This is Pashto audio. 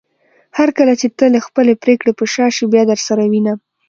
هرکله چې ته له خپلې پریکړې په شا شې بيا درسره وينم